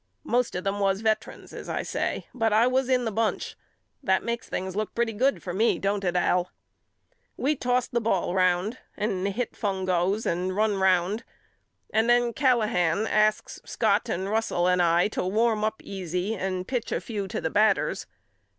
Most of them was vetrans as I say but I was in the bunch. That makes things look pretty good for me don't it Al? We tossed the ball round and hit fungos and run round and then Callahan asks Scott and Russell and I to warm up easy and pitch a few to the batters.